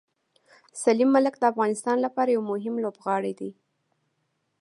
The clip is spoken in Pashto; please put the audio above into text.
سلیم ملک د افغانستان لپاره یو مهم لوبغاړی دی.